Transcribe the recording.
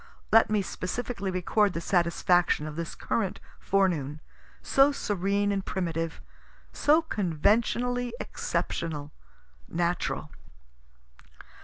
Let me specially record the satisfaction of this current forenoon, so serene and primitive, so conventionally exceptional, natural.